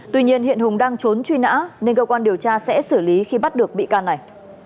tuy nhiên hiện hùng đang trốn truy nã nên cơ quan điều tra sẽ xử lý khi bắt được bị can này